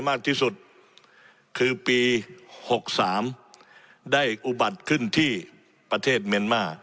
มากที่สุดคือปี๖๓ได้อุบัติขึ้นที่ประเทศเมียนมา